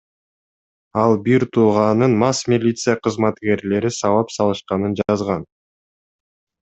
Ал бир тууганын мас милиция кызматкерлери сабап салышканын жазган.